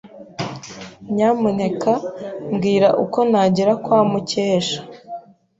Nyamuneka mbwira uko nagera kwa Mukesha.